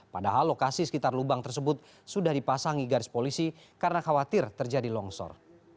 padahal lokasi sekitar lubang tersebut sudah dipasangi garis polisi karena khawatir terjadi longsor